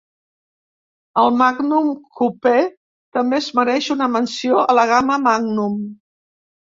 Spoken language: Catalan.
El Magnum coupé també es mereix una menció a la gama Magnum.